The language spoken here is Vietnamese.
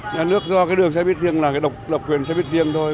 nhà nước do đường xe buýt riêng là độc quyền xe buýt riêng thôi